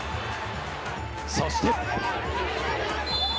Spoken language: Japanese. そして。